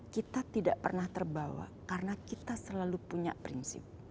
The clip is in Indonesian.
kita tidak pernah terbawa karena kita selalu punya prinsip